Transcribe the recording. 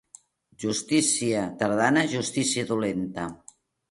Justícia tardana, justícia dolenta.